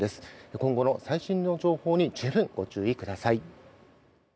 今後の最新の情報に十分ご注意ください。